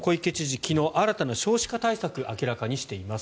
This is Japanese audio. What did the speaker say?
昨日、新たな少子化対策明らかにしています。